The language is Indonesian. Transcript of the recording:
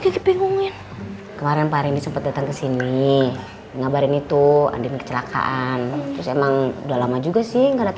kemarin pak rindu sempet datang ke sini ngabarin itu ada kecelakaan emang udah lama juga sih nggak